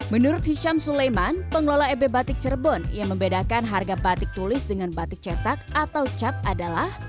menurut hisham sulaiman pengelola ebe batik cerbon yang membedakan harga batik tulis dengan batik cetak atau cap adalah